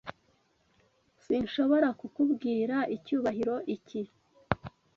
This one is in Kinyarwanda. S S Sinshobora kukubwira icyubahiro iki.